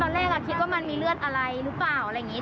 แรกคิดว่ามันมีเลือดอะไรหรือเปล่าอะไรอย่างนี้